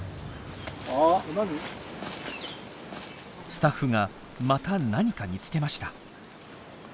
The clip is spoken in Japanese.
スタッフがまた何か見つけました。